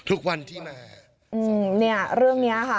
อื้อแน่เรื่องนี้ค่ะ